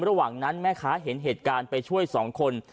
ระหว่างนั้นแม่ค้าเห็นเหตุการณ์ไปช่วยสองคน